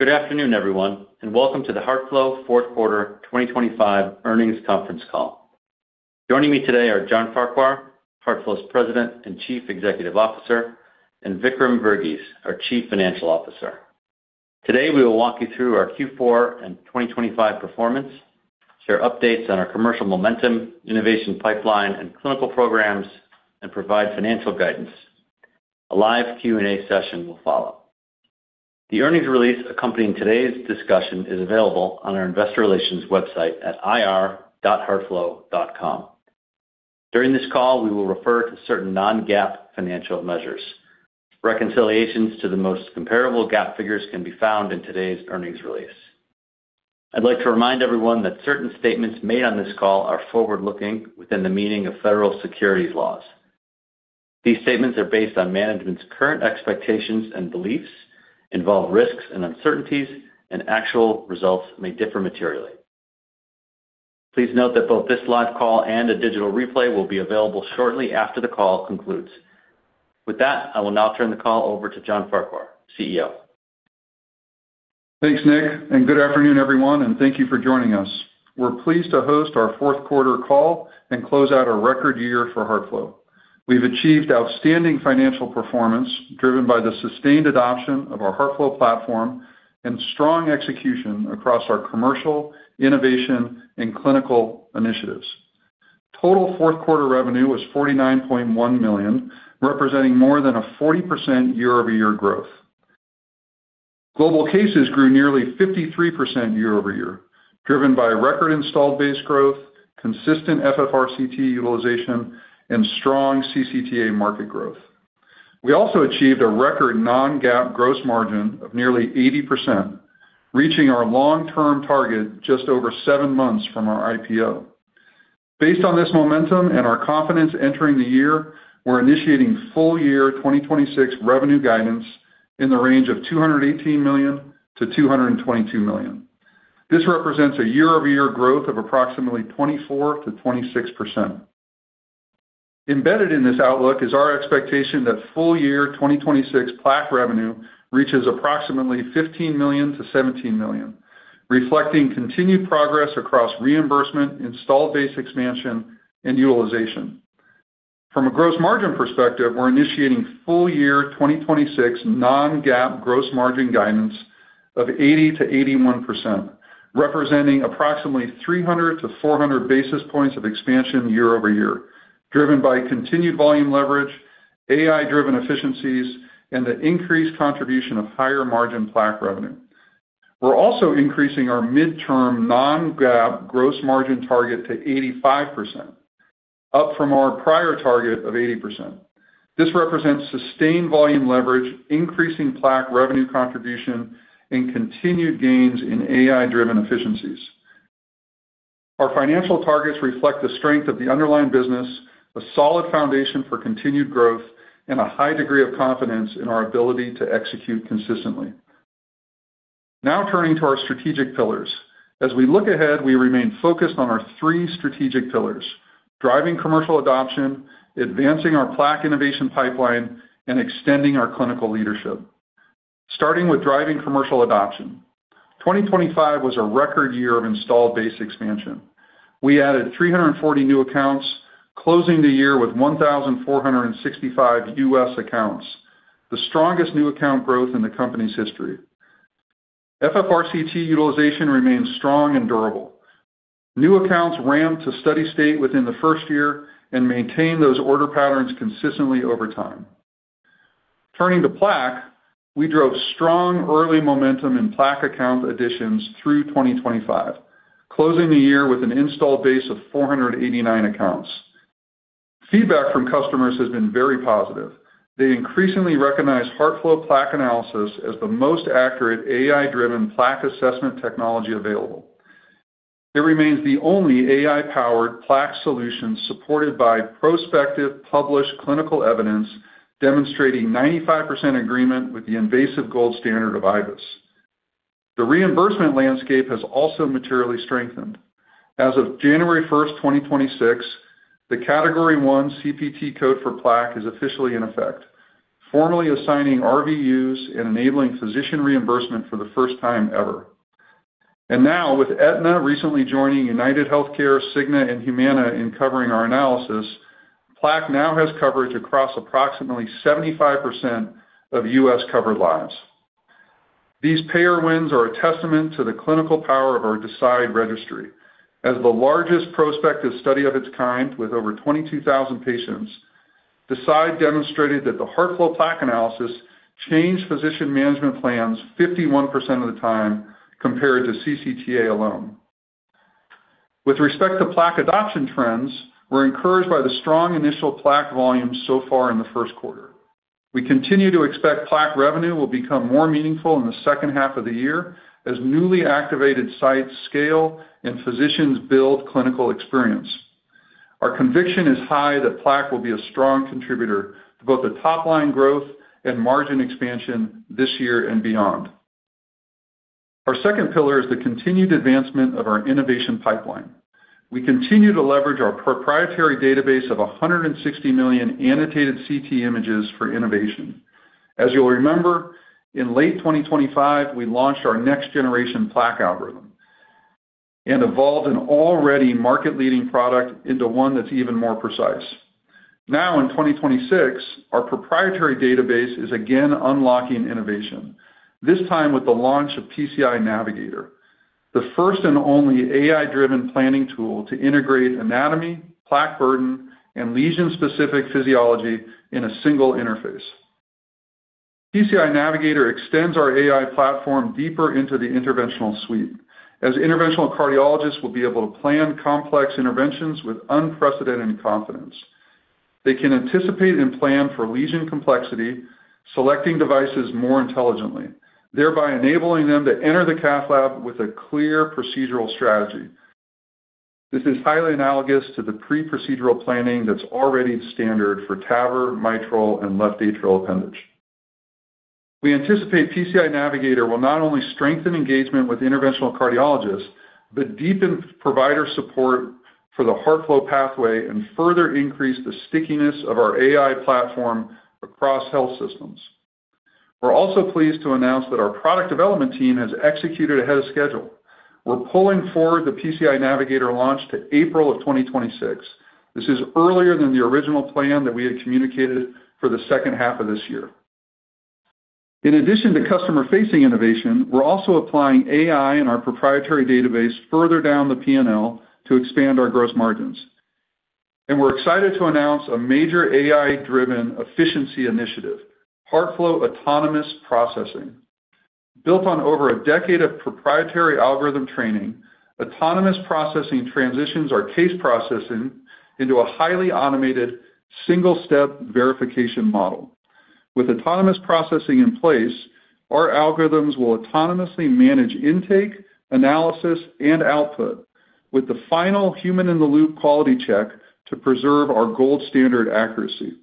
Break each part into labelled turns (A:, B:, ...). A: Good afternoon, everyone, and welcome to the HeartFlow Q4 2025 Earnings Conference Call. Joining me today are John Farquhar, HeartFlow's President and Chief Executive Officer, and Vikram Verghese, our Chief Financial Officer. Today, we will walk you through our Q4 and 2025 performance, share updates on our commercial momentum, innovation pipeline, and clinical programs, and provide financial guidance. A live Q&A session will follow. The earnings release accompanying today's discussion is available on our investor relations website at ir.heartflow.com. During this call, we will refer to certain non-GAAP financial measures. Reconciliations to the most comparable GAAP figures can be found in today's earnings release. I'd like to remind everyone that certain statements made on this call are forward-looking within the meaning of federal securities laws. These statements are based on management's current expectations and beliefs, involve risks and uncertainties, and actual results may differ materially. Please note that both this live call and a digital replay will be available shortly after the call concludes. With that, I will now turn the call over to John Farquhar, CEO.
B: Thanks, Nick, and good afternoon, everyone, and thank you for joining us. We're pleased to host our fourth quarter call and close out a record year for HeartFlow. We've achieved outstanding financial performance driven by the sustained adoption of our HeartFlow platform and strong execution across our commercial, innovation, and clinical initiatives. Total Q4 revenue was $49.1 million, representing more than 40% year-over-year growth. Global cases grew nearly 53% year-over-year, driven by record installed base growth, consistent FFRct utilization, and strong CCTA market growth. We also achieved a record non-GAAP gross margin of nearly 80%, reaching our long-term target just over seven months from our IPO. Based on this momentum and our confidence entering the year, we're initiating full year 2026 revenue guidance in the range of $218 million to $222 million. This represents a year-over-year growth of approximately 24% to 26%. Embedded in this outlook is our expectation that full year 2026 plaque revenue reaches approximately $15 million to $17 million, reflecting continued progress across reimbursement, installed base expansion, and utilization. From a gross margin perspective, we're initiating FY2026 non-GAAP gross margin guidance of 80%-81%, representing approximately 300 to 400 basis points of expansion year-over-year, driven by continued volume leverage, AI-driven efficiencies, and the increased contribution of higher-margin plaque revenue. We're also increasing our midterm non-GAAP gross margin target to 85%, up from our prior target of 80%. This represents sustained volume leverage, increasing plaque revenue contribution, and continued gains in AI-driven efficiencies. Our financial targets reflect the strength of the underlying business, a solid foundation for continued growth, and a high degree of confidence in our ability to execute consistently. Now turning to our strategic pillars. As we look ahead, we remain focused on our three strategic pillars: driving commercial adoption, advancing our plaque innovation pipeline, and extending our clinical leadership. Starting with driving commercial adoption. 2025 was a record year of installed base expansion. We added 340 new accounts, closing the year with 1,465 U.S. accounts, the strongest new account growth in the company's history. FFRct utilization remains strong and durable. New accounts ramp to steady state within the first year and maintain those order patterns consistently over time. Turning to plaque. We drove strong early momentum in Plaque account additions through 2025, closing the year with an installed base of 489 accounts. Feedback from customers has been very positive. They increasingly recognize HeartFlow Plaque Analysis as the most accurate AI-driven plaque assessment technology available. It remains the only AI-powered plaque solution supported by prospective published clinical evidence demonstrating 95% agreement with the invasive gold standard of IVUS. The reimbursement landscape has also materially strengthened. As of January 1, 2026, the Category One CPT code for Plaque is officially in effect, formally assigning RVUs and enabling physician reimbursement for the first time ever. Now, with Aetna recently joining UnitedHealthcare, Cigna, and Humana in covering our analysis, Plaque now has coverage across approximately 75% of U.S. covered lives. These payer wins are a testament to the clinical power of our DECIDE registry. As the largest prospective study of its kind with over 22,000 patients, DECIDE demonstrated that the HeartFlow Plaque Analysis changed physician management plans 51% of the time compared to CCTA alone. With respect to plaque adoption trends, we're encouraged by the strong initial plaque volume so far in the first quarter. We continue to expect plaque revenue will become more meaningful in the second half of the year as newly activated sites scale and physicians build clinical experience. Our conviction is high that plaque will be a strong contributor to both the top-line growth and margin expansion this year and beyond. Our second pillar is the continued advancement of our innovation pipeline. We continue to leverage our proprietary database of 160 million annotated CT images for innovation. As you'll remember, in late 2025, we launched our next-generation plaque algorithm and evolved an already market-leading product into one that's even more precise. Now, in 2026, our proprietary database is again unlocking innovation, this time with the launch of PCI Navigator, the first and only AI-driven planning tool to integrate anatomy, plaque burden, and lesion-specific physiology in a single interface. PCI Navigator extends our AI platform deeper into the interventional suite, as interventional cardiologists will be able to plan complex interventions with unprecedented confidence. They can anticipate and plan for lesion complexity, selecting devices more intelligently, thereby enabling them to enter the cath lab with a clear procedural strategy. This is highly analogous to the pre-procedural planning that's already standard for TAVR, mitral, and left atrial appendage. We anticipate PCI Navigator will not only strengthen engagement with interventional cardiologists but deepen provider support for the HeartFlow pathway and further increase the stickiness of our AI platform across health systems. We're also pleased to announce that our product development team has executed ahead of schedule. We're pulling forward the PCI Navigator launch to April 2026. This is earlier than the original plan that we had communicated for the second half of this year. In addition to customer-facing innovation, we're also applying AI and our proprietary database further down the P&L to expand our gross margins. We're excited to announce a major AI-driven efficiency initiative, HeartFlow Autonomous Processing. Built on over a decade of proprietary algorithm training, autonomous processing transitions our case processing into a highly automated single-step verification model. With autonomous processing in place, our algorithms will autonomously manage intake, analysis, and output with the final human-in-the-loop quality check to preserve our gold standard accuracy.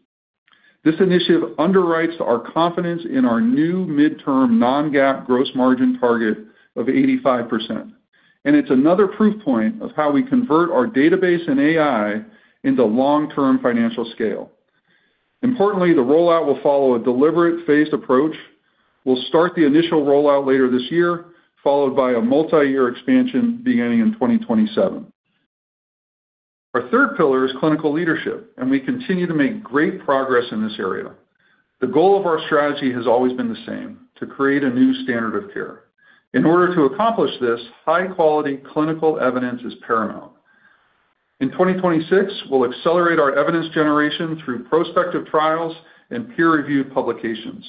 B: This initiative underwrites our confidence in our new midterm non-GAAP gross margin target of 85%, and it's another proof point of how we convert our database and AI into long-term financial scale. Importantly, the rollout will follow a deliberate phased approach. We'll start the initial rollout later this year, followed by a multiyear expansion beginning in 2027. Our third pillar is clinical leadership, and we continue to make great progress in this area. The goal of our strategy has always been the same: to create a new standard of care. In order to accomplish this, high-quality clinical evidence is paramount. In 2026, we'll accelerate our evidence generation through prospective trials and peer-reviewed publications.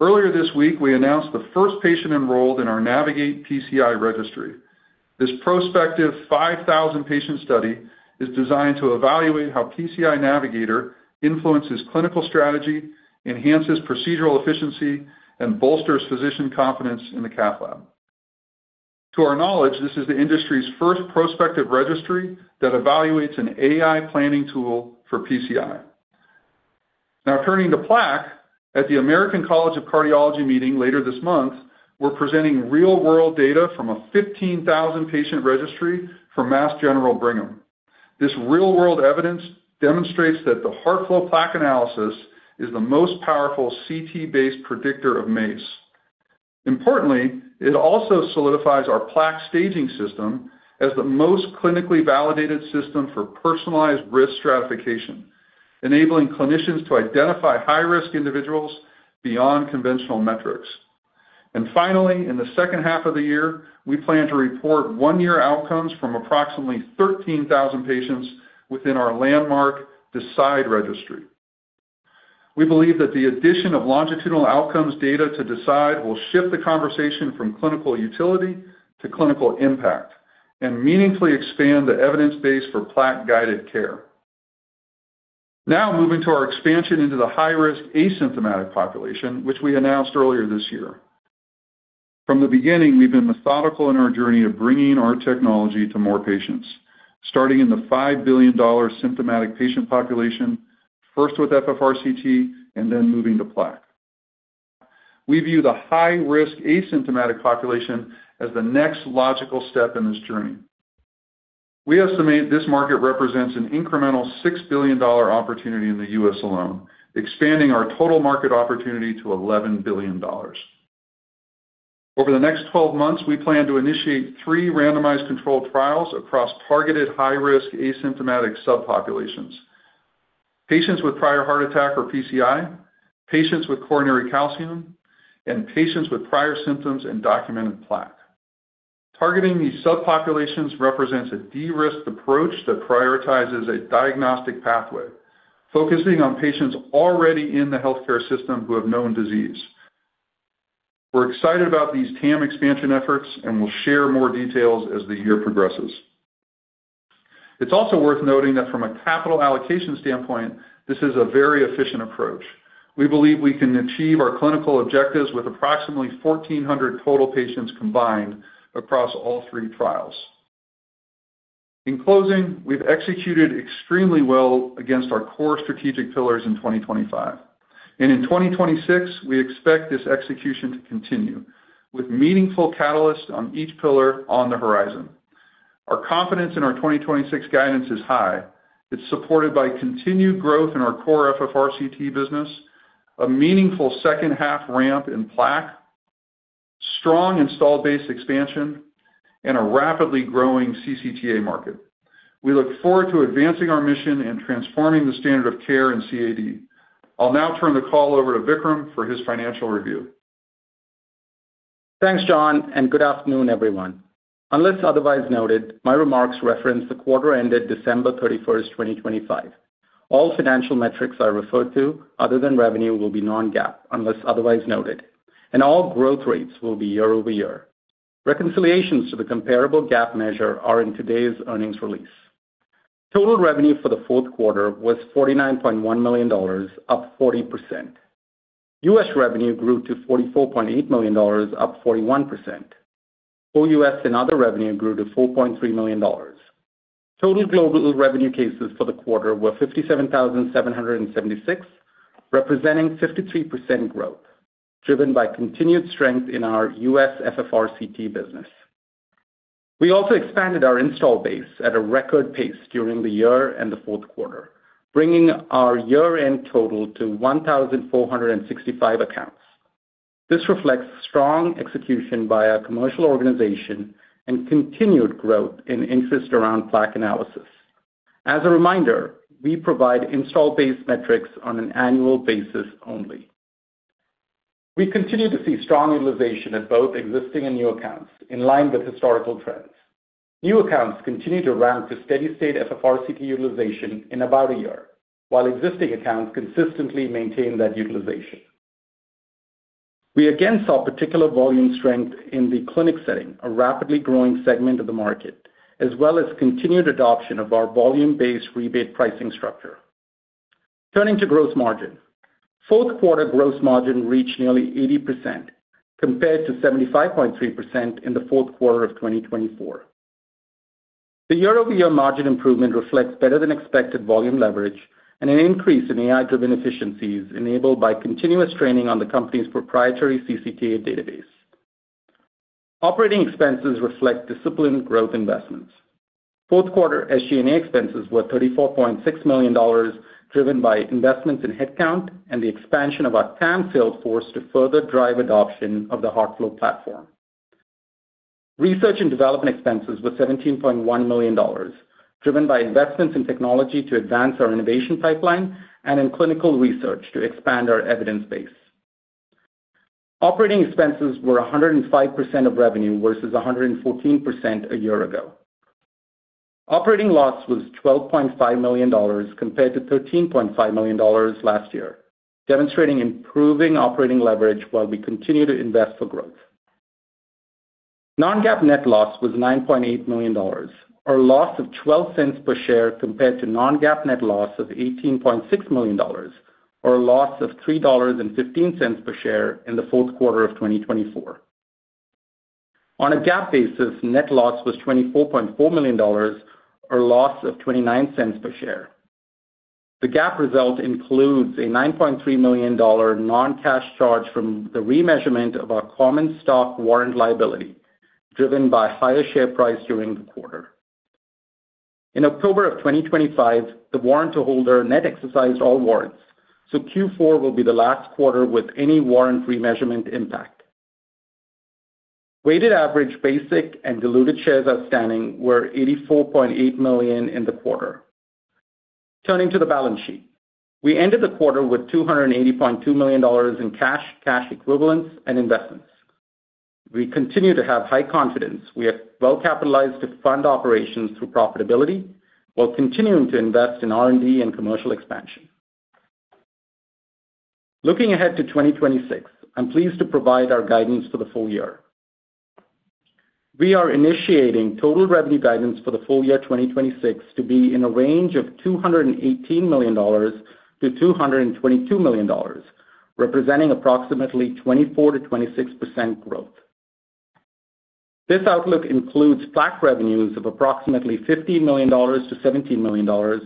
B: Earlier this week, we announced the first patient enrolled in our NAVIGATE-PCI registry. This prospective 5,000 patient study is designed to evaluate how PCI Navigator influences clinical strategy, enhances procedural efficiency, and bolsters physician confidence in the cath lab. To our knowledge, this is the industry's first prospective registry that evaluates an AI planning tool for PCI. Now turning to plaque, at the American College of Cardiology meeting later this month, we're presenting real-world data from a 15,000 patient registry from Mass General Brigham. This real-world evidence demonstrates that the HeartFlow Plaque Analysis is the most powerful CT-based predictor of MACE. Importantly, it also solidifies our plaque staging system as the most clinically validated system for personalized risk stratification, enabling clinicians to identify high-risk individuals beyond conventional metrics. Finally, in the second half of the year, we plan to report one-year outcomes from approximately 13,000 patients within our landmark DECIDE registry. We believe that the addition of longitudinal outcomes data to DECIDE will shift the conversation from clinical utility to clinical impact and meaningfully expand the evidence base for plaque-guided care. Now moving to our expansion into the high-risk asymptomatic population, which we announced earlier this year. From the beginning, we've been methodical in our journey of bringing our technology to more patients, starting in the $5 billion symptomatic patient population, first with FFRCT and then moving to plaque. We view the high-risk asymptomatic population as the next logical step in this journey. We estimate this market represents an incremental $6 billion opportunity in the U.S. alone, expanding our total market opportunity to $11 billion. Over the next 12 months, we plan to initiate three randomized controlled trials across targeted high-risk asymptomatic subpopulations. Patients with prior heart attack or PCI, patients with coronary calcium, and patients with prior symptoms and documented plaque. Targeting these subpopulations represents a de-risked approach that prioritizes a diagnostic pathway, focusing on patients already in the healthcare system who have known disease. We're excited about these TAM expansion efforts and will share more details as the year progresses. It's also worth noting that from a capital allocation standpoint, this is a very efficient approach. We believe we can achieve our clinical objectives with approximately 1,400 total patients combined across all three trials. In closing, we've executed extremely well against our core strategic pillars in 2025. In 2026, we expect this execution to continue with meaningful catalyst on each pillar on the horizon. Our confidence in our 2026 guidance is high. It's supported by continued growth in our core FFRct business, a meaningful second half ramp in plaque, strong install base expansion, and a rapidly growing CCTA market. We look forward to advancing our mission and transforming the standard of care in CAD. I'll now turn the call over to Vikram for his financial review.
C: Thanks, John, and good afternoon, everyone. Unless otherwise noted, my remarks reference the quarter ended December 31, 2025. All financial metrics I refer to other than revenue will be non-GAAP, unless otherwise noted, and all growth rates will be year-over-year. Reconciliations to the comparable GAAP measure are in today's earnings release. Total revenue for the fourth quarter was $49.1 million, up 40%. U.S. revenue grew to $44.8 million, up 41%. All U.S. and other revenue grew to $4.3 million. Total global revenue cases for the quarter were 57,776, representing 53% growth, driven by continued strength in our U.S. FFRCT business. We also expanded our install base at a record pace during the year and the Q4, bringing our year-end total to 1,465 accounts. This reflects strong execution by our commercial organization and continued growth in interest around Plaque Analysis. As a reminder, we provide installed-based metrics on an annual basis only. We continue to see strong utilization at both existing and new accounts in line with historical trends. New accounts continue to ramp to steady-state FFRCT utilization in about a year, while existing accounts consistently maintain that utilization. We again saw particular volume strength in the clinic setting, a rapidly growing segment of the market, as well as continued adoption of our volume-based rebate pricing structure. Turning to gross margin. Fourth quarter gross margin reached nearly 80% compared to 75.3% in the Q4 of 2024. The year-over-year margin improvement reflects better than expected volume leverage and an increase in AI-driven efficiencies enabled by continuous training on the company's proprietary CCTA database. Operating expenses reflect disciplined growth investments. Fourth quarter SG&A expenses were $34.6 million, driven by investments in headcount and the expansion of our TAM sales force to further drive adoption of the HeartFlow platform. Research and development expenses were $17.1 million, driven by investments in technology to advance our innovation pipeline and in clinical research to expand our evidence base. Operating expenses were 105% of revenue versus 114% a year ago. Operating loss was $12.5 million compared to $13.5 million last year, demonstrating improving operating leverage while we continue to invest for growth. Non-GAAP net loss was $9.8 million, or a loss of $0.12 per share compared to non-GAAP net loss of $18.6 million, or a loss of $3.15 per share in the Q4 of 2024. On a GAAP basis, net loss was $24.4 million or a loss of $0.29 per share. The GAAP result includes a $9.3 million non-cash charge from the remeasurement of our common stock warrant liability, driven by higher share price during the quarter. In October of 2025, the warrant holder net exercised all warrants, so Q4 will be the last quarter with any warrant remeasurement impact. Weighted average basic and diluted shares outstanding were 84.8 million in the quarter. Turning to the balance sheet. We ended the quarter with $280.2 million in cash equivalents, and investments. We continue to have high confidence. We are well capitalized to fund operations through profitability while continuing to invest in R&D and commercial expansion. Looking ahead to 2026, I'm pleased to provide our guidance for the full year. We are initiating total revenue guidance for the full year 2026 to be in a range of $218 million to $222 million, representing approximately 24% to 26% growth. This outlook includes plaque revenues of approximately $15 million to $17 million,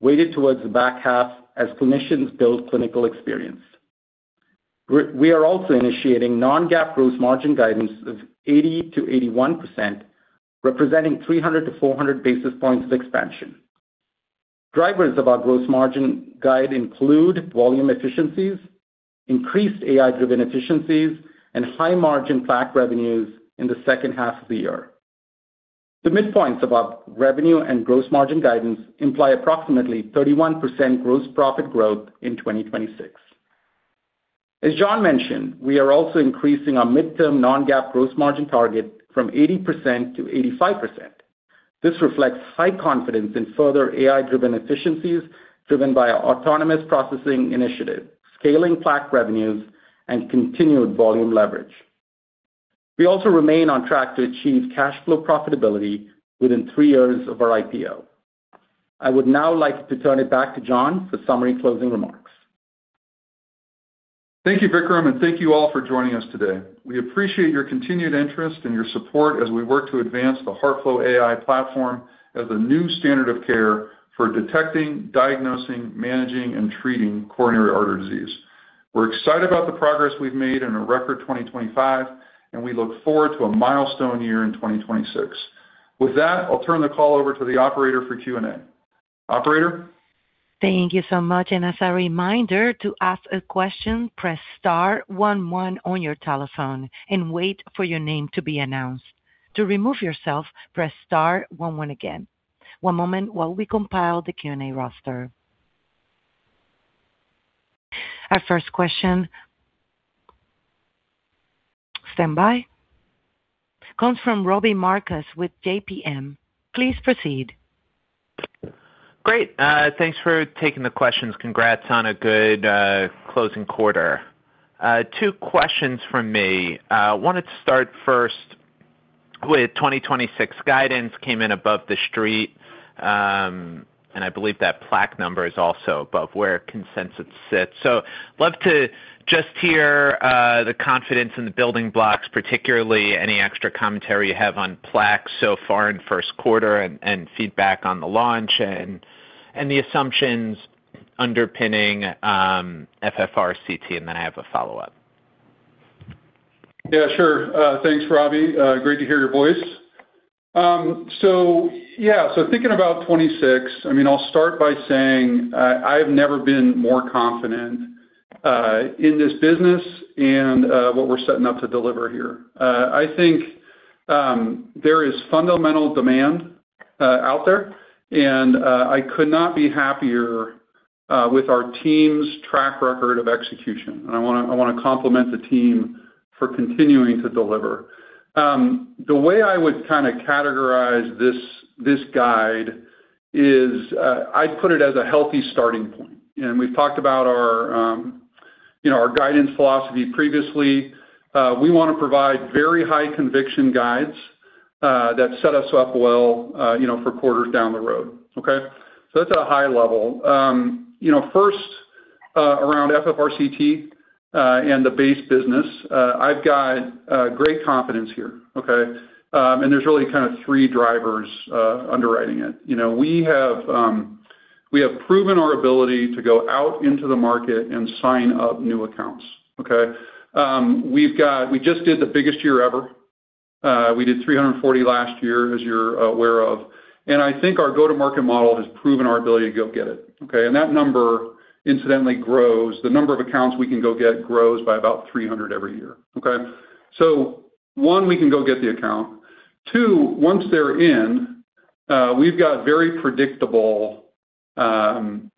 C: weighted towards the back half as clinicians build clinical experience. We are also initiating non-GAAP gross margin guidance of 80% to 81%, representing 300 to 400 basis points of expansion. Drivers of our gross margin guide include volume efficiencies, increased AI-driven efficiencies, and high-margin plaque revenues in the second half of the year. The midpoints of our revenue and gross margin guidance imply approximately 31% gross profit growth in 2026. As John mentioned, we are also increasing our midterm non-GAAP gross margin target from 80% to 85%. This reflects high confidence in further AI-driven efficiencies driven by our autonomous processing initiative, scaling plaque revenues, and continued volume leverage. We also remain on track to achieve cash flow profitability within three years of our IPO. I would now like to turn it back to John for summary closing remarks.
B: Thank you, Vikram, and thank you all for joining us today. We appreciate your continued interest and your support as we work to advance the HeartFlow AI platform as a new standard of care for detecting, diagnosing, managing, and treating coronary artery disease. We're excited about the progress we've made in a record 2025, and we look forward to a milestone year in 2026. With that, I'll turn the call over to the operator for Q&A. Operator?
D: Thank you so much. As a reminder to ask a question, press star one one on your telephone and wait for your name to be announced. To remove yourself, press star one one again. One moment while we compile the Q&A roster. Our first question. Stand by. Comes from Robbie Marcus with J.P.M. Please proceed.
E: Great. Thanks for taking the questions. Congrats on a good closing quarter. Two questions from me. Wanted to start first with 2026 guidance came in above the street, and I believe that plaque number is also above where consensus sits. Love to just hear the confidence in the building blocks, particularly any extra commentary you have on plaque so far in first quarter and feedback on the launch and the assumptions underpinning FFRct, and then I have a follow-up.
B: Yeah, sure. Thanks, Robbie. Great to hear your voice. So yeah, thinking about 2026, I mean, I'll start by saying, I've never been more confident in this business and what we're setting up to deliver here. I think there is fundamental demand out there, and I could not be happier with our team's track record of execution. I wanna compliment the team for continuing to deliver. The way I would kinda categorize this guide is, I'd put it as a healthy starting point. We've talked about our, you know, our guidance philosophy previously. We wanna provide very high conviction guides that set us up well, you know, for quarters down the road. Okay. That's at a high level. You know, first, around FFRCT and the base business, I've got great confidence here, okay? There's really kind of three drivers underwriting it. You know, we have proven our ability to go out into the market and sign up new accounts. Okay? We just did the biggest year ever. We did 340 last year, as you're aware of. I think our go-to-market model has proven our ability to go get it, okay? That number incidentally grows. The number of accounts we can go get grows by about 300 every year. Okay? One, we can go get the account. Two, once they're in, we've got very predictable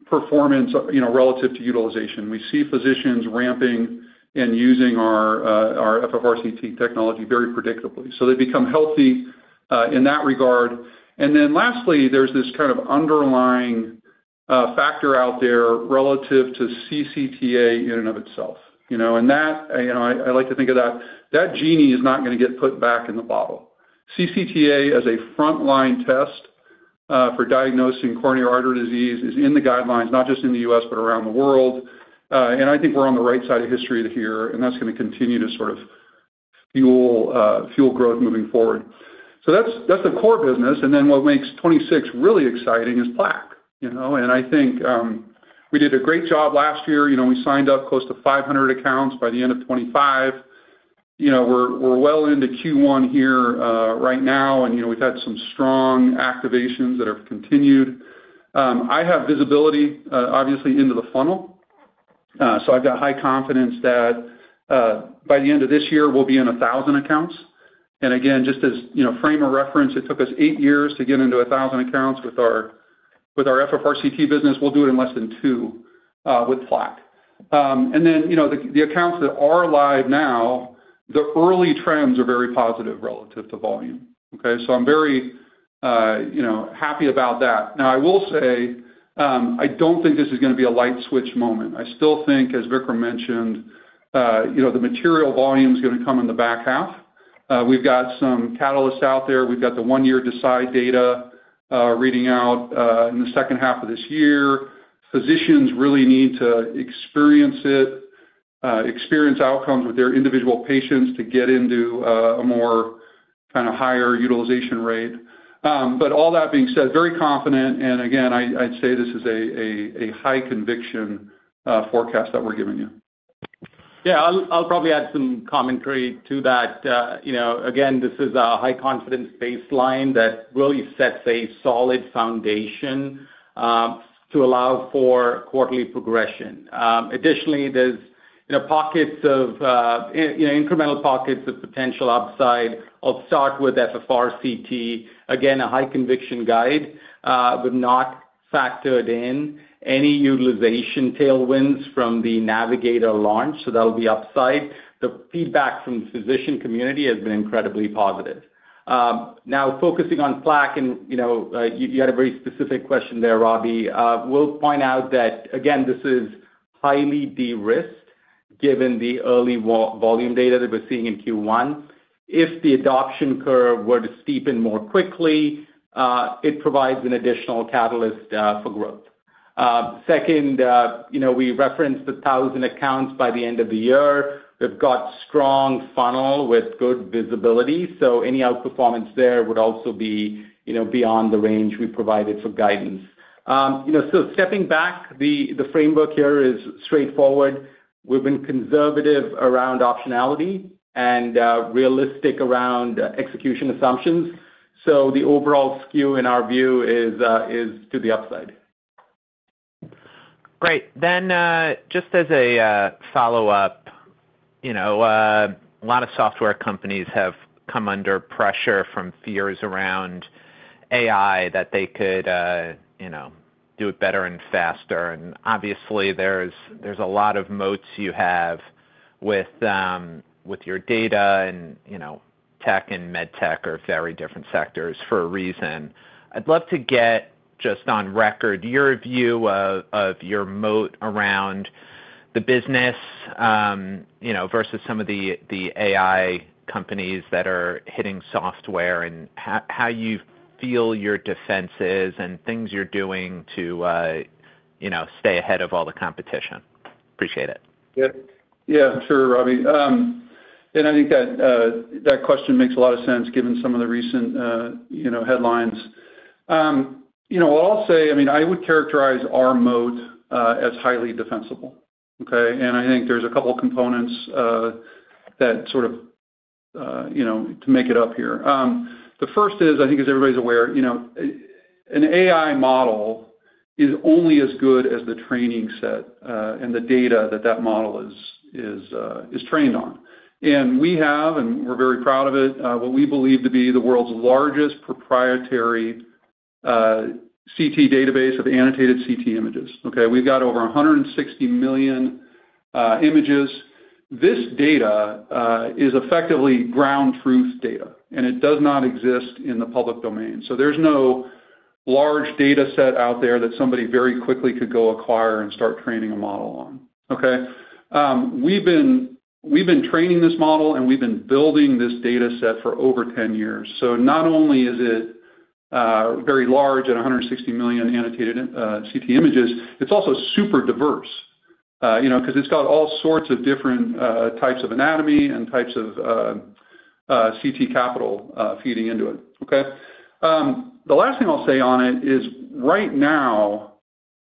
B: performance, you know, relative to utilization. We see physicians ramping and using our FFRCT technology very predictably, so they become healthy in that regard. Then lastly, there's this kind of underlying factor out there relative to CCTA in and of itself, you know. That, you know, I like to think of that genie is not gonna get put back in the bottle. CCTA as a frontline test for diagnosing coronary artery disease is in the guidelines, not just in the U.S., but around the world. I think we're on the right side of history here, and that's gonna continue to sort of fuel growth moving forward. That's the core business. Then what makes 26 really exciting is plaque, you know. I think we did a great job last year. You know, we signed up close to 500 accounts by the end of 2025. You know, we're well into Q1 here, right now, and, you know, we've had some strong activations that have continued. I have visibility, obviously into the funnel, so I've got high confidence that, by the end of this year, we'll be in 1000 accounts. Again, just as, you know, frame of reference, it took us eight years to get into 1000 accounts with our FFRCT business. We'll do it in less than two, with plaque. And then, you know, the accounts that are live now, the early trends are very positive relative to volume. Okay. So I'm very, you know, happy about that. Now, I will say, I don't think this is gonna be a light switch moment. I still think, as Vikram mentioned, you know, the material volume's gonna come in the back half. We've got some catalysts out there. We've got the one-year DECIDE data reading out in the second half of this year. Physicians really need to experience it, experience outcomes with their individual patients to get into a more kinda higher utilization rate. But all that being said, very confident. Again, I'd say this is a high conviction forecast that we're giving you.
C: Yeah. I'll probably add some commentary to that. You know, again, this is a high confidence baseline that really sets a solid foundation to allow for quarterly progression. Additionally, there's, you know, pockets of, you know, incremental pockets of potential upside. I'll start with FFRCT. Again, a high conviction guide, but not factored in any utilization tailwinds from the Navigator launch, so that'll be upside. The feedback from physician community has been incredibly positive. Now focusing on plaque and, you know, you had a very specific question there, Robbie. We'll point out that again, this is highly de-risked given the early volume data that we're seeing in Q1. If the adoption curve were to steepen more quickly, it provides an additional catalyst for growth. Second, you know, we referenced 1,000 accounts by the end of the year. We've got strong funnel with good visibility, so any outperformance there would also be, you know, beyond the range we provided for guidance. You know, stepping back, the framework here is straightforward. We've been conservative around optionality and realistic around execution assumptions. The overall skew in our view is to the upside.
E: Great. Just as a follow-up, you know, a lot of software companies have come under pressure from fears around AI that they could, you know, do it better and faster. Obviously, there's a lot of moats you have with your data and, you know, tech and med tech are very different sectors for a reason. I'd love to get just on record your view of your moat around the business, you know, versus some of the AI companies that are hitting software and how you feel your defenses and things you're doing to, you know, stay ahead of all the competition. Appreciate it.
B: Yeah. Yeah, sure, Robbie. I think that question makes a lot of sense given some of the recent, you know, headlines. You know, I'll say, I mean, I would characterize our moat as highly defensible, okay? I think there's a couple of components that sort of, you know, to make it up here. The first is, I think, as everybody's aware, you know, an AI model is only as good as the training set and the data that that model is trained on. We have, and we're very proud of it, what we believe to be the world's largest proprietary CT database of annotated CT images. Okay? We've got over 160 million images. This data is effectively ground truth data, and it does not exist in the public domain. There's no large data set out there that somebody very quickly could go acquire and start training a model on. Okay. We've been training this model, and we've been building this data set for over 10 years. Not only is it very large at 160 million annotated CT images, it's also super diverse, you know, 'cause it's got all sorts of different types of anatomy and types of CT capital feeding into it. Okay. The last thing I'll say on it is right now,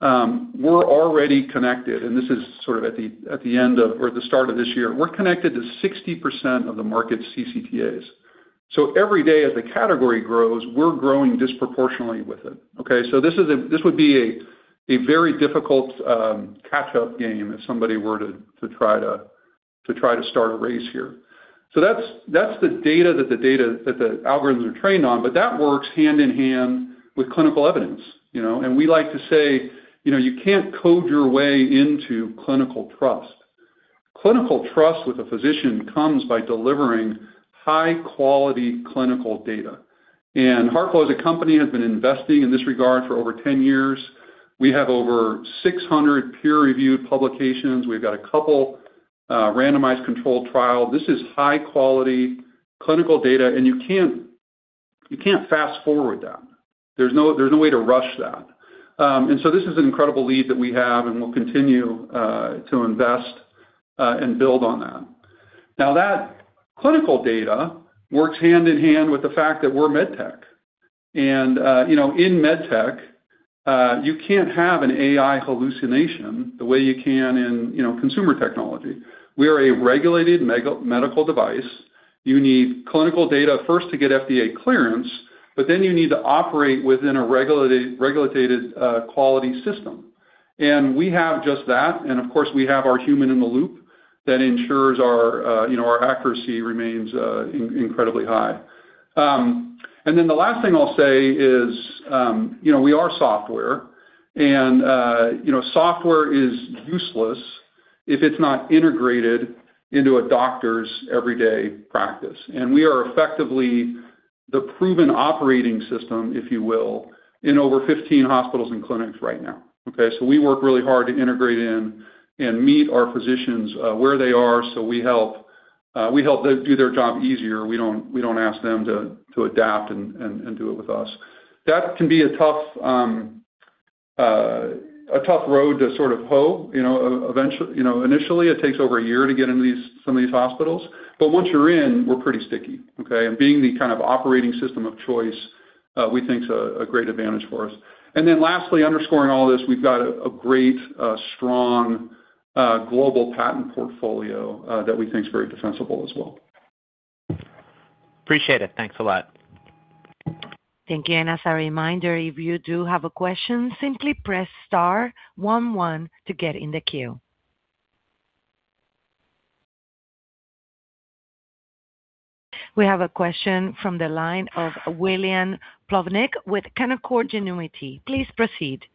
B: we're already connected, and this is sort of at the end of or the start of this year. We're connected to 60% of the market CCTAs. Every day, as the category grows, we're growing disproportionately with it. Okay? This would be a very difficult catch-up game if somebody were to try to start a race here. That's the data that the algorithms are trained on, but that works hand-in-hand with clinical evidence, you know. We like to say, you know, you can't code your way into clinical trust. Clinical trust with a physician comes by delivering high-quality clinical data. HeartFlow as a company has been investing in this regard for over 10 years. We have over 600 peer-reviewed publications. We've got a couple randomized controlled trial. This is high-quality clinical data, and you can't fast-forward that. There's no way to rush that. This is an incredible lead that we have, and we'll continue to invest and build on that. Now that clinical data works hand-in-hand with the fact that we're med tech. You know, in med tech, you can't have an AI hallucination the way you can in, you know, consumer technology. We are a regulated medical device. You need clinical data first to get FDA clearance, but then you need to operate within a regulated quality system. We have just that. Of course, we have our human in the loop that ensures our, you know, our accuracy remains incredibly high. The last thing I'll say is, you know, we are software and, you know, software is useless if it's not integrated into a doctor's everyday practice. We are effectively the proven operating system, if you will, in over 15 hospitals and clinics right now. Okay. We work really hard to integrate in and meet our physicians where they are. We help them do their job easier. We don't ask them to adapt and do it with us. That can be a tough row to sort of hoe, you know, initially it takes over a year to get into these, some of these hospitals. Once you're in, we're pretty sticky, okay. Being the kind of operating system of choice, we think is a great advantage for us. Lastly, underscoring all this, we've got a great strong global patent portfolio that we think is very defensible as well.
E: Appreciate it. Thanks a lot.
D: Thank you. As a reminder, if you do have a question, simply press star one one to get in the queue. We have a question from the line of William Plovanic with Canaccord Genuity. Please proceed.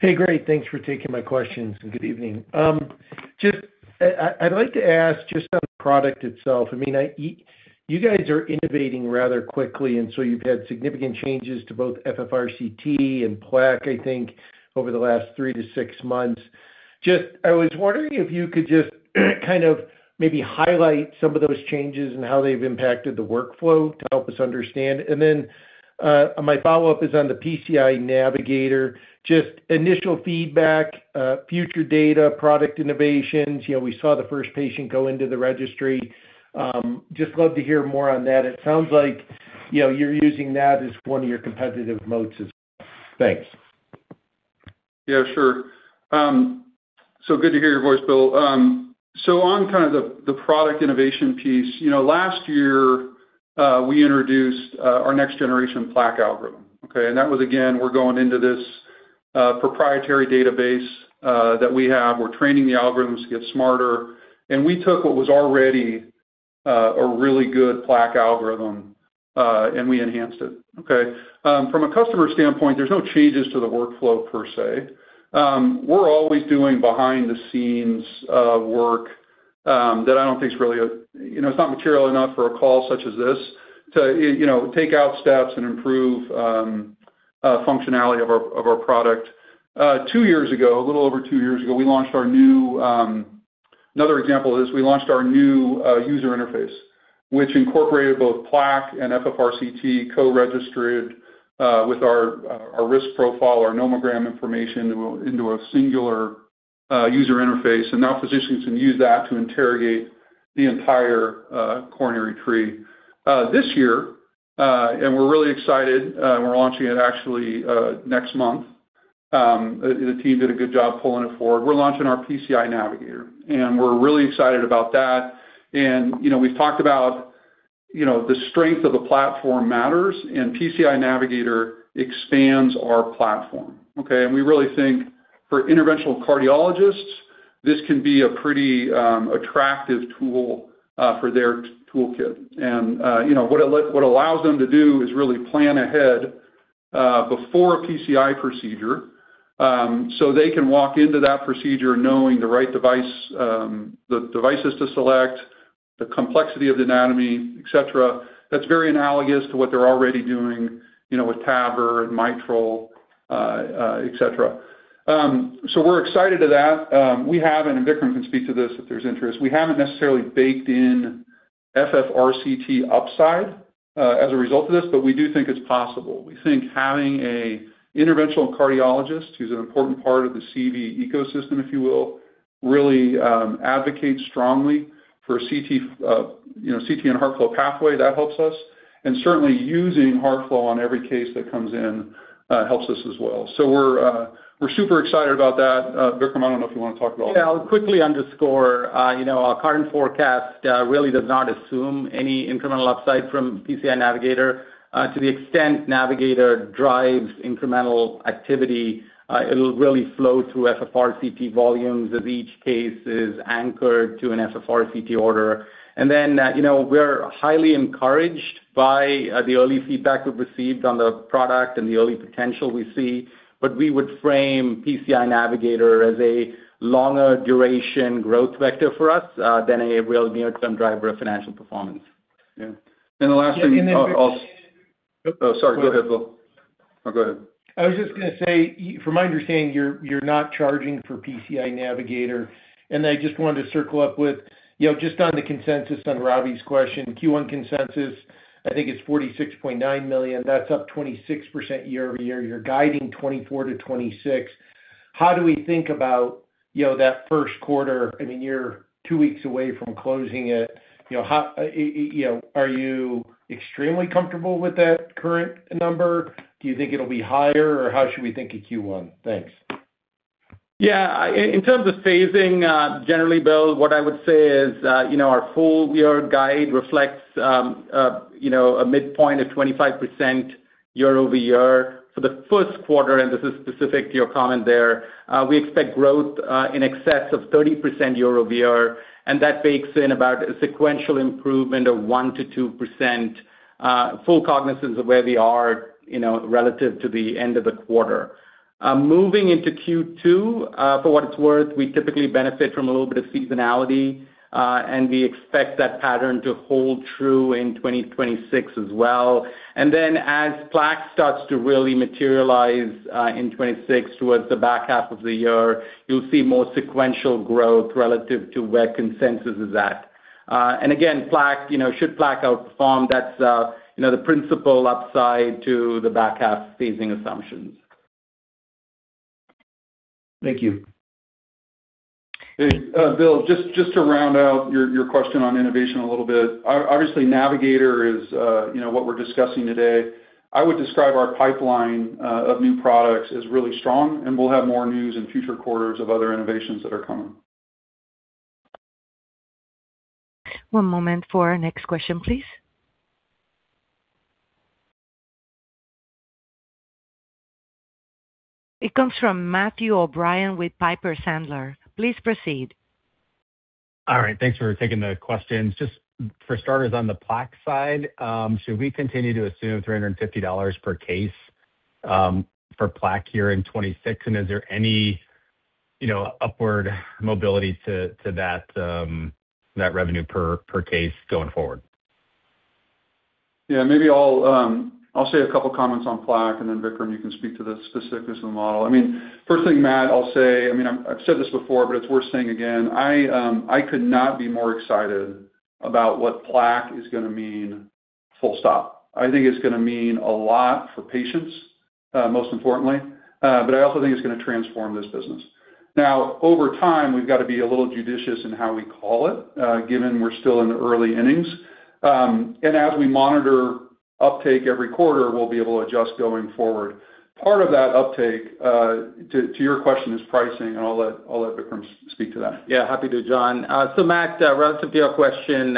F: Hey, great. Thanks for taking my questions. Good evening. I'd like to ask just on the product itself. I mean, you guys are innovating rather quickly, and so you've had significant changes to both FFRct and plaque, I think, over the last three to six months. Just, I was wondering if you could just kind of maybe highlight some of those changes and how they've impacted the workflow to help us understand? My follow-up is on the PCI Navigator. Just initial feedback, future data, product innovations. You know, we saw the first patient go into the registry. Just love to hear more on that. It sounds like, you know, you're using that as one of your competitive moats as well. Thanks.
B: Yeah, sure. Good to hear your voice, Will. On kind of the product innovation piece, you know, last year, we introduced our next generation plaque algorithm, okay. That was, again, we're going into this proprietary database that we have. We're training the algorithms to get smarter, and we took what was already a really good plaque algorithm, and we enhanced it. Okay. From a customer standpoint, there's no changes to the workflow per se. We're always doing behind the scenes work that I don't think is really. You know, it's not material enough for a call such as this to, you know, take out steps and improve functionality of our product. two years ago, a little over two years ago, we launched our new. Another example is we launched our new user interface, which incorporated both plaque and FFRct co-registered with our risk profile, our nomogram information into a singular user interface. Now physicians can use that to interrogate the entire coronary tree. This year, we're really excited, we're launching it actually next month. The team did a good job pulling it forward. We're launching our PCI Navigator, and we're really excited about that. You know, we've talked about, you know, the strength of the platform matters, and PCI Navigator expands our platform, okay? We really think for interventional cardiologists, this can be a pretty attractive tool for their toolkit. What it allows them to do is really plan ahead before a PCI procedure, so they can walk into that procedure knowing the right device, the devices to select, the complexity of the anatomy, et cetera. That's very analogous to what they're already doing, you know, with TAVR and mitral et cetera. We're excited to that. We haven't, and Vikram can speak to this if there's interest, we haven't necessarily baked in FFRct upside as a result of this, but we do think it's possible. We think having an interventional cardiologist who's an important part of the CV ecosystem, if you will, really advocate strongly for CT, you know, CT and HeartFlow pathway, that helps us. Certainly using HeartFlow on every case that comes in helps us as well. We're super excited about that. Vikram, I don't know if you wanna talk about-
C: Yeah. I'll quickly underscore. You know, our current forecast really does not assume any incremental upside from PCI Navigator. To the extent Navigator drives incremental activity, it'll really flow through FFRct volumes as each case is anchored to an FFRct order. Then, you know, we're highly encouraged by the early feedback we've received on the product and the early potential we see, but we would frame PCI Navigator as a longer duration growth vector for us than a real near-term driver of financial performance.
B: Yeah. The last thing.
F: Yeah. Vikram-
B: Oh, sorry. Go ahead, Will. Oh, go ahead.
F: I was just gonna say, from my understanding, you're not charging for PCI Navigator. I just wanted to circle up with, you know, just on the consensus on Robbie's question, Q1 consensus, I think it's $46.9 million. That's up 26% year-over-year. You're guiding $24 to $26 million. How do we think about, you know, that first quarter? I mean, you're two weeks away from closing it. You know, how, you know, are you extremely comfortable with that current number? Do you think it'll be higher, or how should we think of Q1? Thanks.
C: Yeah. In terms of phasing, generally, Will, what I would say is, you know, our full year guide reflects a midpoint of 25% year-over-year. For the first quarter, and this is specific to your comment there, we expect growth in excess of 30% year-over-year, and that bakes in about a sequential improvement of 1% to 2%, full cognizance of where we are, you know, relative to the end of the quarter. Moving into Q2, for what it's worth, we typically benefit from a little bit of seasonality, and we expect that pattern to hold true in 2026 as well. Then as plaque starts to really materialize in 2026 towards the back half of the year, you'll see more sequential growth relative to where consensus is at. Again, plaque, you know, should plaque outperform, that's, you know, the principal upside to the back half phasing assumptions.
F: Thank you.
B: Hey, Will, just to round out your question on innovation a little bit. Obviously, Navigator is, you know, what we're discussing today. I would describe our pipeline of new products as really strong, and we'll have more news in future quarters of other innovations that are coming.
D: One moment for our next question, please. It comes from Matthew O'Brien with Piper Sandler. Please proceed.
G: All right, thanks for taking the questions. Just for starters, on the plaque side, should we continue to assume $350 per case for plaque here in 2026? Is there any, you know, upward mobility to that revenue per case going forward?
B: Yeah, maybe I'll say a couple of comments on plaque, and then Vikram, you can speak to the specifics of the model. I mean, first thing, Matt, I'll say, I mean, I've said this before, but it's worth saying again. I could not be more excited about what plaque is gonna mean, full stop. I think it's gonna mean a lot for patients, most importantly, but I also think it's gonna transform this business. Now, over time, we've got to be a little judicious in how we call it, given we're still in the early innings. As we monitor uptake every quarter, we'll be able to adjust going forward. Part of that uptake, to your question, is pricing, and I'll let Vikram speak to that.
C: Yeah, happy to, John. So Matt, relative to your question,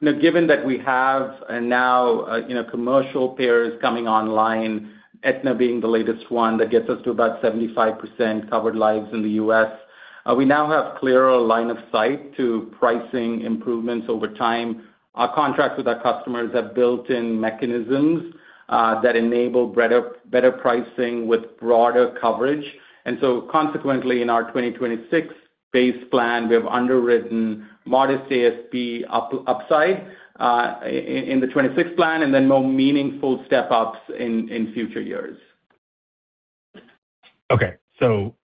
C: you know, given that we have and now you know commercial payers coming online, Aetna being the latest one, that gets us to about 75% covered lives in the U.S., we now have clearer line of sight to pricing improvements over time. Our contracts with our customers have built-in mechanisms that enable better pricing with broader coverage. Consequently, in our 2026 base plan, we have underwritten modest ASP upside in the 2026 plan, and then more meaningful step-ups in future years.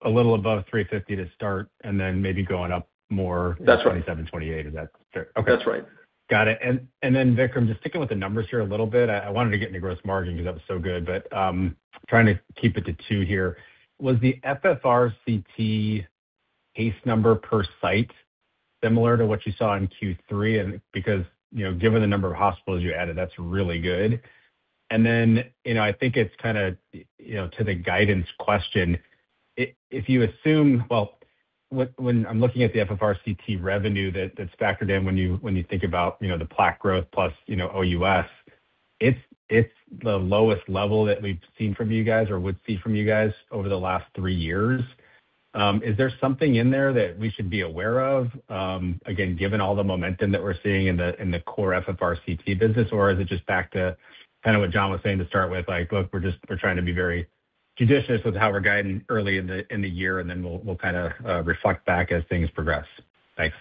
G: A little above $350 to start and then maybe going up more.
C: That's right.
G: In 2027, 2028. Is that fair?
C: That's right.
G: Got it. Then Vikram, just sticking with the numbers here a little bit. I wanted to get into gross margin because that was so good, but trying to keep it to two here. Was the FFRCT case number per site similar to what you saw in Q3? Because, you know, given the number of hospitals you added, that's really good. Then, you know, I think it's kinda, you know, to the guidance question. If you assume. Well, when I'm looking at the FFRCT revenue, that's factored in when you think about, you know, the plaque growth plus, you know, OUS, it's the lowest level that we've seen from you guys or would see from you guys over the last three years. Is there something in there that we should be aware of, again, given all the momentum that we're seeing in the core FFRCT business, or is it just back to kinda what John was saying to start with? Like, look, we're just trying to be very judicious with how we're guiding early in the year, and then we'll kinda reflect back as things progress. Thanks.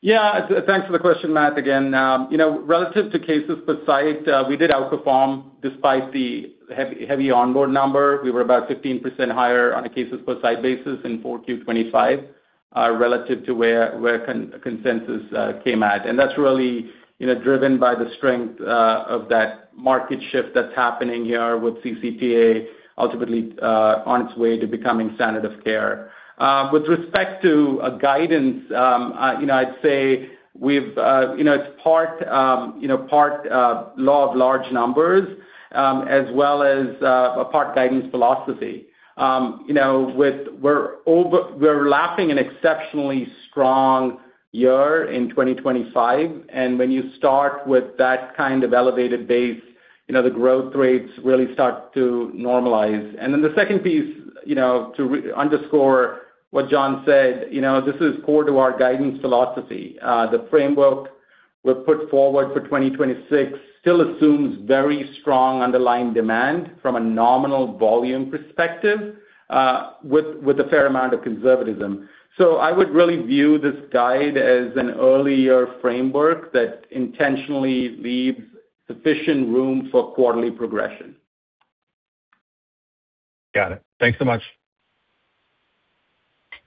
C: Yeah, thanks for the question, Matt, again. You know, relative to cases per site, we did outperform despite the heavy onboard number. We were about 15% higher on a cases per site basis in 4Q 2025, relative to where consensus came at. That's really, you know, driven by the strength of that market shift that's happening here with CCTA ultimately on its way to becoming standard of care. With respect to guidance, you know, I'd say we've, you know, it's part law of large numbers, as well as a part guidance philosophy. You know, we're lapping an exceptionally strong year in 2025, and when you start with that kind of elevated base, you know, the growth rates really start to normalize. The second piece, you know, to underscore what John said, you know, this is core to our guidance philosophy. The framework we've put forward for 2026 still assumes very strong underlying demand from a nominal volume perspective, with a fair amount of conservatism. I would really view this guide as an earlier framework that intentionally leaves sufficient room for quarterly progression.
G: Got it. Thanks so much.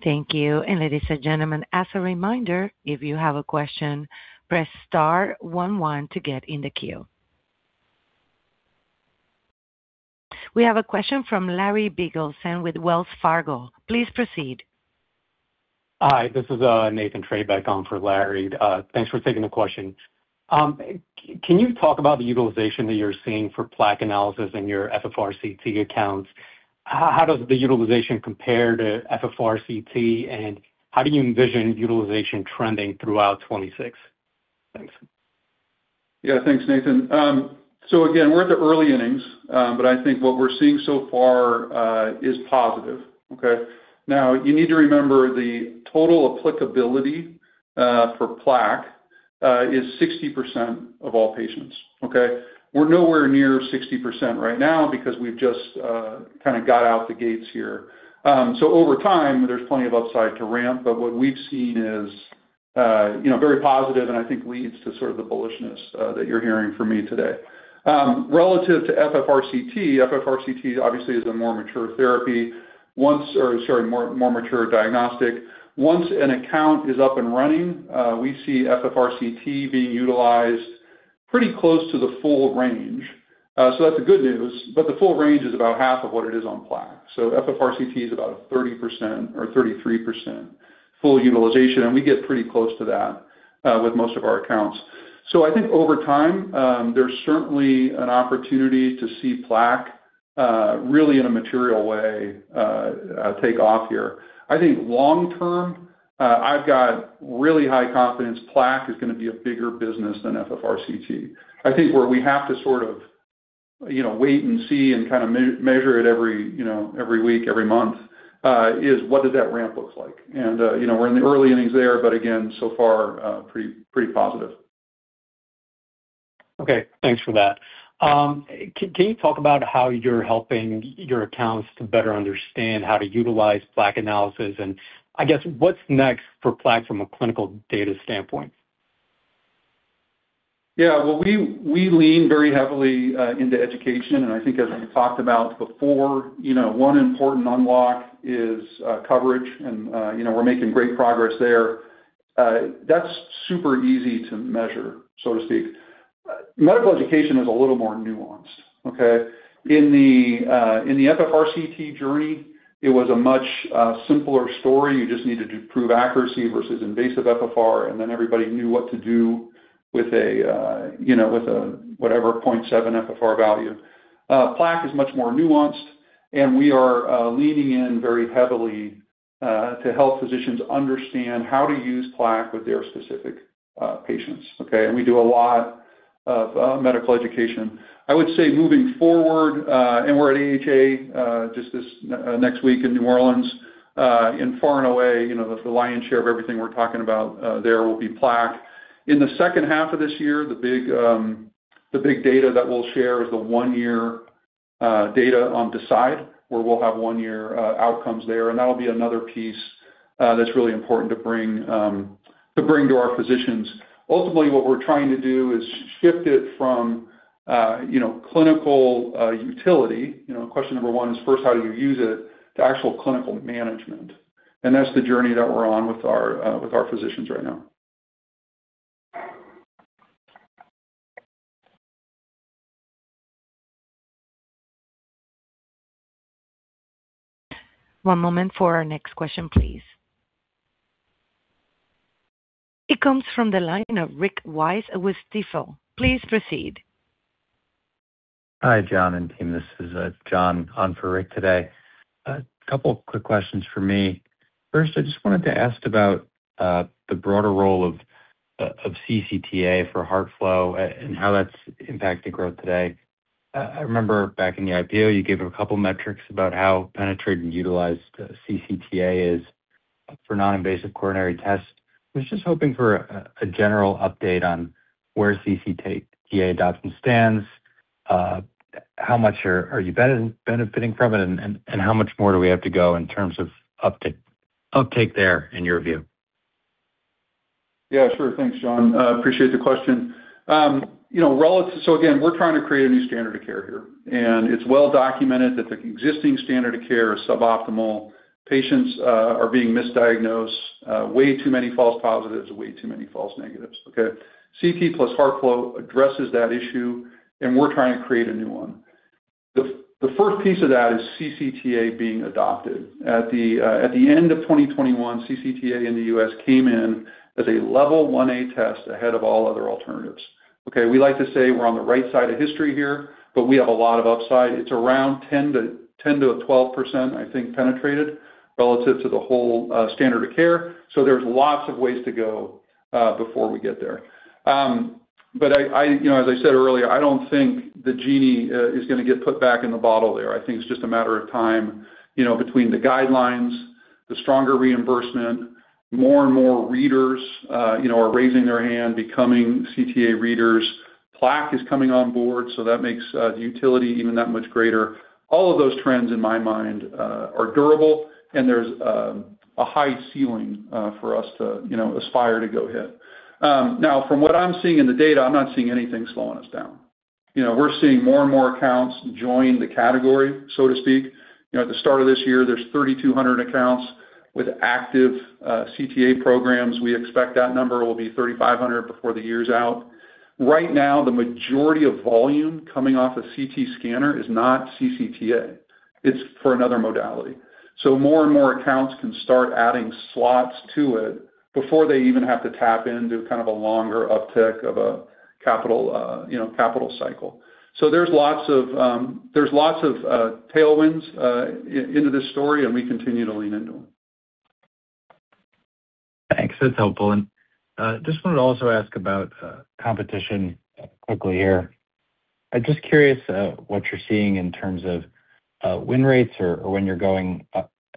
D: Thank you. Ladies and gentlemen, as a reminder, if you have a question, press star one one to get in the queue. We have a question from Larry Biegelsen with Wells Fargo. Please proceed.
H: Hi, this is Nathan Treybeck on for Larry. Thanks for taking the question. Can you talk about the utilization that you're seeing for Plaque Analysis in your FFRct accounts? How does the utilization compare to FFRct, and how do you envision utilization trending throughout 2026? Thanks.
B: Yeah, thanks, Nathan. Again, we're at the early innings, but I think what we're seeing so far is positive. Okay. Now, you need to remember the total applicability for plaque is 60% of all patients. Okay. We're nowhere near 60% right now because we've just kinda got out the gates here. Over time, there's plenty of upside to ramp, but what we've seen is, you know, very positive and I think leads to sort of the bullishness that you're hearing from me today. Relative to FFRCT obviously is a more mature therapy. Or, sorry, more mature diagnostic. Once an account is up and running, we see FFRCT being utilized pretty close to the full range. That's the good news, but the full range is about half of what it is on plaque. FFRCT is about a 30% or 33% full utilization, and we get pretty close to that with most of our accounts. I think over time, there's certainly an opportunity to see plaque really in a material way take off here. I think long term, I've got really high confidence plaque is gonna be a bigger business than FFRCT. I think where we have to sort of you know, wait and see and kind of measure it every you know, every week, every month is what does that ramp look like. We're in the early innings there, but again, so far pretty positive.
H: Okay, thanks for that. Can you talk about how you're helping your accounts to better understand how to utilize Plaque Analysis? I guess what's next for Plaque from a clinical data standpoint?
B: Well, we lean very heavily into education, and I think as we talked about before, you know, one important unlock is coverage and, you know, we're making great progress there. That's super easy to measure, so to speak. Medical education is a little more nuanced, okay? In the FFRct journey, it was a much simpler story. You just needed to prove accuracy versus invasive FFR, and then everybody knew what to do with a, you know, with a whatever 0.7 FFR value. Plaque is much more nuanced, and we are leaning in very heavily to help physicians understand how to use plaque with their specific patients, okay? We do a lot of medical education. I would say moving forward, and we're at AHA just this next week in New Orleans, and far and away, you know, the lion's share of everything we're talking about, there will be plaque. In the second half of this year, the big data that we'll share is the one-year data on DECIDE, where we'll have one-year outcomes there, and that'll be another piece that's really important to bring to our physicians. Ultimately, what we're trying to do is shift it from, you know, clinical utility, you know, question number one is first, how do you use it, to actual clinical management. That's the journey that we're on with our physicians right now.
D: One moment for our next question, please. It comes from the line of Rick Wise with Stifel. Please proceed.
I: Hi, John and team. This is John on for Rick today. A couple quick questions for me. First, I just wanted to ask about the broader role of CCTA for HeartFlow and how that's impacting growth today. I remember back in the IPO, you gave a couple metrics about how penetrated and utilized CCTA is for non-invasive coronary tests. I was just hoping for a general update on where CCTA adoption stands, how much are you benefiting from it and how much more do we have to go in terms of uptake there in your view?
B: Yeah, sure. Thanks, John. Appreciate the question. Again, we're trying to create a new standard of care here, and it's well documented that the existing standard of care is suboptimal. Patients are being misdiagnosed, way too many false positives, way too many false negatives, okay? CT plus HeartFlow addresses that issue, and we're trying to create a new one. The first piece of that is CCTA being adopted. At the end of 2021, CCTA in the U.S. came in as a level 1 A test ahead of all other alternatives. Okay. We like to say we're on the right side of history here, but we have a lot of upside. It's around 10%-12%, I think, penetrated relative to the whole standard of care. There's lots of ways to go before we get there. I, you know, as I said earlier, I don't think the genie is gonna get put back in the bottle there. I think it's just a matter of time, you know, between the guidelines, the stronger reimbursement, more and more readers, you know, are raising their hand, becoming CTA readers. Plaque is coming on board, so that makes the utility even that much greater. All of those trends in my mind are durable, and there's a high ceiling for us to, you know, aspire to go hit. Now from what I'm seeing in the data, I'm not seeing anything slowing us down. You know, we're seeing more and more accounts join the category, so to speak. You know, at the start of this year, there's 3,200 accounts with active CTA programs. We expect that number will be 3,500 before the year's out. Right now, the majority of volume coming off a CT scanner is not CCTA. It's for another modality. More and more accounts can start adding slots to it before they even have to tap into kind of a longer uptick of a capital, you know, capital cycle. There's lots of tailwinds into this story, and we continue to lean into them.
I: Thanks. That's helpful. Just wanted to also ask about competition quickly here. I'm just curious what you're seeing in terms of win rates or when you're going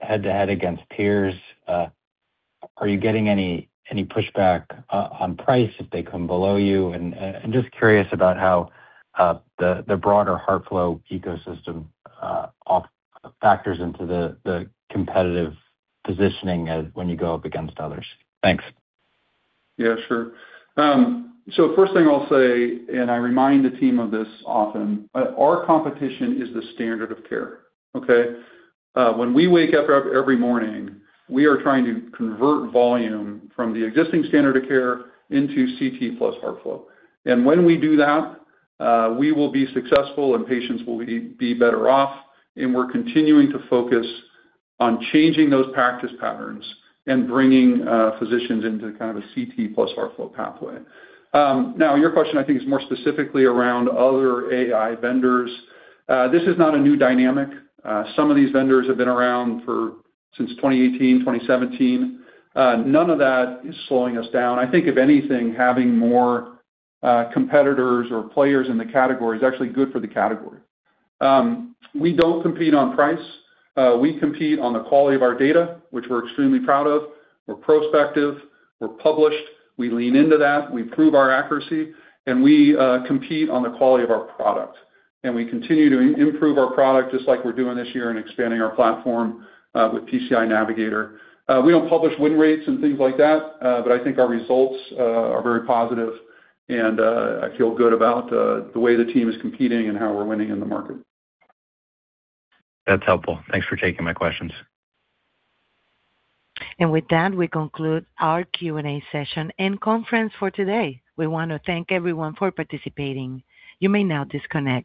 I: head-to-head against peers. Are you getting any pushback on price if they come below you? Just curious about how the broader HeartFlow ecosystem factors into the competitive positioning when you go up against others. Thanks.
B: Yeah, sure. First thing I'll say, and I remind the team of this often, our competition is the standard of care. Okay? When we wake up every morning, we are trying to convert volume from the existing standard of care into CT plus HeartFlow. When we do that, we will be successful and patients will be better off, and we're continuing to focus on changing those practice patterns and bringing physicians into kind of a CT plus HeartFlow pathway. Now your question I think is more specifically around other AI vendors. This is not a new dynamic. Some of these vendors have been around since 2018, 2017. None of that is slowing us down. I think if anything, having more competitors or players in the category is actually good for the category. We don't compete on price. We compete on the quality of our data, which we're extremely proud of. We're prospective, we're published, we lean into that, we prove our accuracy, and we compete on the quality of our product. We continue to improve our product just like we're doing this year and expanding our platform with PCI Navigator. We don't publish win rates and things like that, but I think our results are very positive and I feel good about the way the team is competing and how we're winning in the market.
I: That's helpful. Thanks for taking my questions.
D: With that, we conclude our Q&A session and conference for today. We want to thank everyone for participating. You may now disconnect.